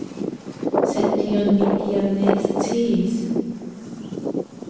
Sed tion mi tiam ne sciis.